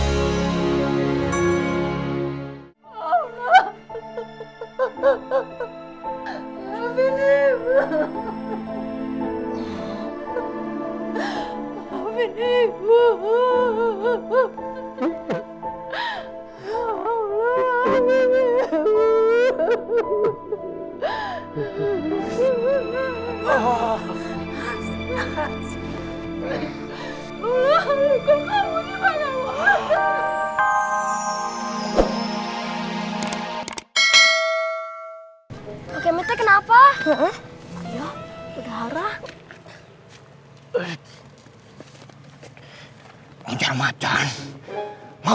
sampai jumpa di video selanjutnya